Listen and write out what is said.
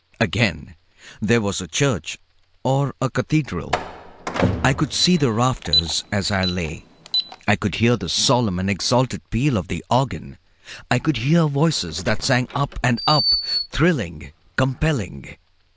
Again there was a church or a cathedral. I could see the rafters as I lay. I could hear the solemn and exalted peal of the organ. I could hear voices that sang up and up, thrilling, compelling.